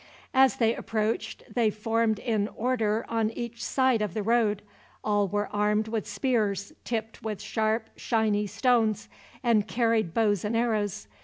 As they approached, they formed in order on each side of the road. All were armed with spears tipped with sharp, shiny stones, and carried bows and arrows.